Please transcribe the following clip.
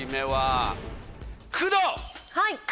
はい。